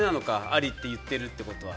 ありって言ってるのは。